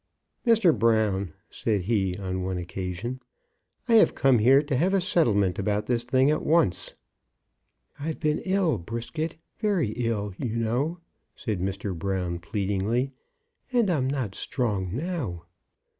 "Mr. Brown!" said he, on one occasion, "I have come here to have a settlement about this thing at once." "I've been ill, Brisket; very ill, you know," said Mr. Brown, pleadingly, "and I'm not strong now."